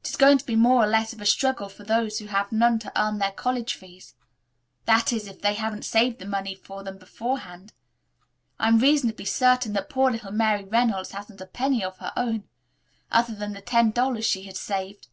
It is going to be more or less of a struggle for those who have none to earn their college fees that is, if they haven't saved the money for them beforehand. I am reasonably certain that poor little Mary Reynolds hasn't a penny of her own, other than the ten dollars she has saved.